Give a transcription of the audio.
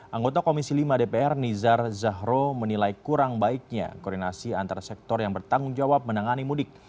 anggota komisi lima dpr nizar zahro menilai kurang baiknya koordinasi antar sektor yang bertanggung jawab menangani mudik